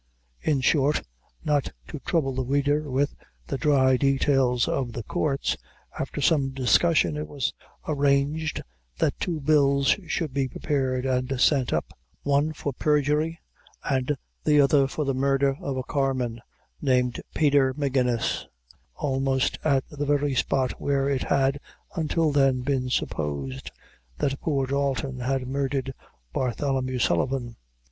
In short, not to trouble the reader with, the dry details of the courts, after some discussion, it was arranged that two bills should be prepared and sent up one for perjury, and the other for the murder of a carman, named Peter Magennis, almost at the very spot where it had, until then, been supposed that poor Dalton had murdered Bartholomew Sullivan.